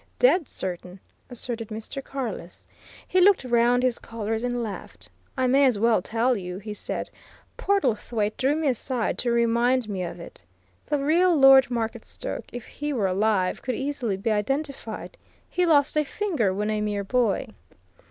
"Dead certain!" asserted Mr. Carless. He looked round his callers and laughed. "I may as well tell you," he said. "Portlethwaite drew me aside to remind me of it. The real Lord Marketstoke, if he were alive, could easily be identified. He lost a finger when a mere boy."